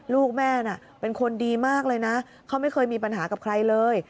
ลูกแม่น่ะเป็นคนดีมากเลยนะเขาไม่เคยมีปัญหากับใครเลย